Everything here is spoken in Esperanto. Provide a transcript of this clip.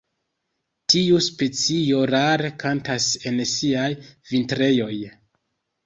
Tiu specio rare kantas en siaj vintrejoj.